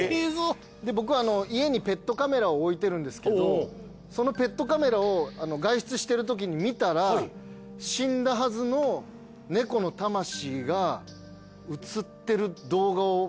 僕家にペットカメラを置いてるんですけどそのペットカメラを外出してるときに見たら死んだはずの猫の魂が映ってる動画を持ってるんです。